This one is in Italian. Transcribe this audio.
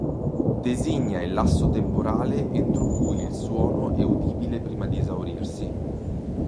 Designa il lasso temporale entro cui il suono è udibile prima di esaurirsi.